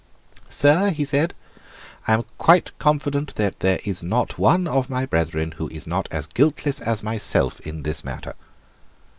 "Sir," he said, "I am quite confident that there is not one of my brethren who is not as guiltless as myself in this matter."